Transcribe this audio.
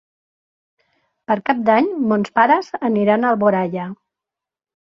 Per Cap d'Any mons pares aniran a Alboraia.